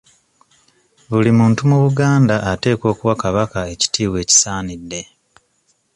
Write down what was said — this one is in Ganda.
Buli muntu mu Buganda ateekwa okuwa kabaka ekitiibwa ekisaanidde.